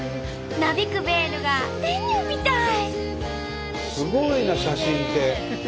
なびくベールが天女みたい！